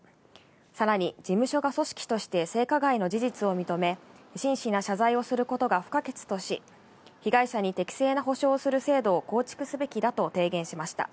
さらに、事務所が組織として性加害の事実を認め、真摯な謝罪をすることが不可欠とし、被害者に適正な補償をする制度を構築すべきだと提言しました。